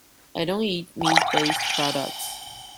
I don’t eat meat based products.